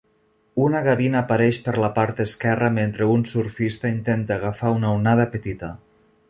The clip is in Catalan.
Una gavina apareix per la part esquerra mentre un surfista intenta agafar una onada petita.